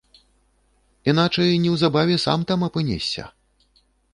Іначай неўзабаве сам там апынешся.